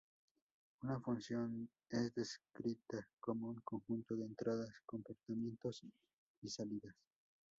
Una función es descrita como un conjunto de entradas, comportamientos y salidas.